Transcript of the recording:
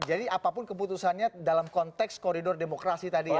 jadi apapun keputusannya dalam konteks koridor demokrasi tadi ya